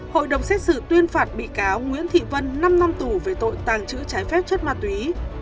hội đồng xét xử tuyên phạt bị cáo nguyễn thị vân năm năm tù về tội tàng trữ trái phép chất ma túy